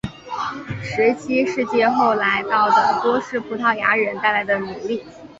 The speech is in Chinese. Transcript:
十七世纪后来到的多是葡萄牙人带来的奴隶。